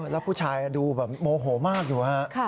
แล้วผู้ชายดูโมโหมากอยู่